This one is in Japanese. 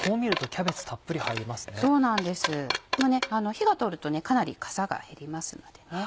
火が通るとかなりかさが減りますのでね。